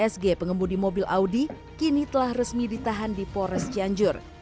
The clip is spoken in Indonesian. sg pengemudi mobil audi kini telah resmi ditahan di polres cianjur